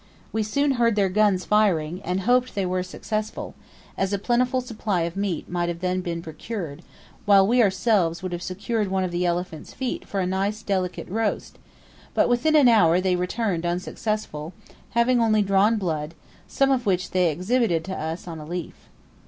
We soon heard their guns firing, and hoped they were successful, as a plentiful supply of meat might then have been procured, while we ourselves would have secured one of the elephant's feet for a nice delicate roast; but within an hour they returned unsuccessful, having only drawn blood, some of which they exhibited to us on a leaf.